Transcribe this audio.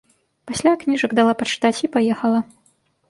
Пасля кніжак дала пачытаць і паехала.